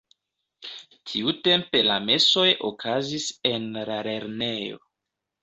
Tiutempe la mesoj okazis en la lernejo.